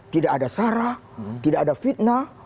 tidak ada sarah tidak ada fitnah